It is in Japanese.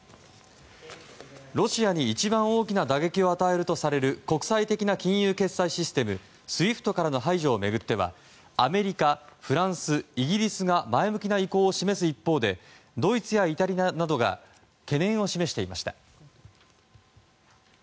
ロシアに一番大きな打撃を与えるとされる国際的な金融決済システムＳＷＩＦＴからの排除を巡ってはアメリカ、フランス、イギリスが前向きな意向を示す一方ドイツやイタリアなどが懸念を示していました。